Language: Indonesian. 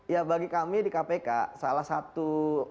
ya bagi kami di kpk salah satu